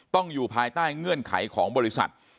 อยู่ภายใต้เงื่อนไขของบริษัท